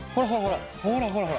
ほらほらほら。